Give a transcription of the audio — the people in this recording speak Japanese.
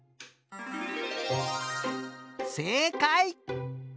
せいかい！